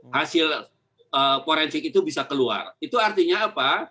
hasil forensik itu bisa keluar itu artinya apa